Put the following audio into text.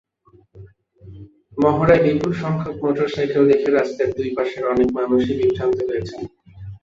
মহড়ায় বিপুলসংখ্যক মোটরসাইকেল দেখে রাস্তার দুই পাশের অনেক মানুষই বিভ্রান্ত হয়েছেন।